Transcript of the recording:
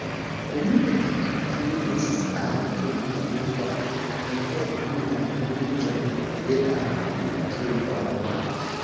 Li ekkampanjis al Turingio por malhelpi la unuiĝon de la du trupoj.